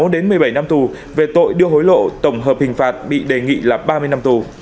một mươi sáu đến một mươi bảy năm tù về tội đưa hối lộ tổng hợp hình phạt bị đề nghị là ba mươi năm tù